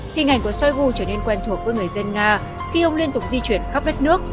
hình ảnh của shoigu trở nên quen thuộc với người dân nga khi ông liên tục di chuyển khắp đất nước